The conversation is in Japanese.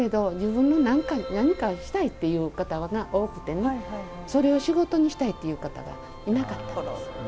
自分が何かしたいという方が多くてそれを仕事にしたいという方はいなかったんです。